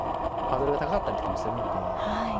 ハードルが高かったりとかもするので。